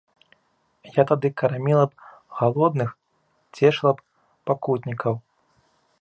Я тады карміла б галодных, цешыла б пакутнікаў.